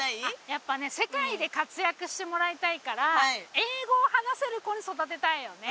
やっぱね世界で活躍してもらいたいから英語を話せる子に育てたいよね。